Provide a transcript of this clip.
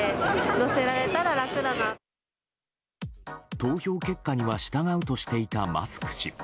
投票結果には従うとしていたマスク氏。